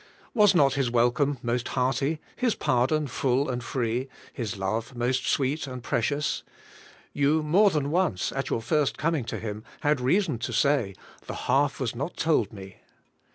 Was not His welcome most hearty. His pardon full and free. His love most sweet and precious? You more than once, at your first coming to Him, had reason to say, 'The half was not told me.'